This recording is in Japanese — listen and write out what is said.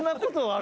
あ！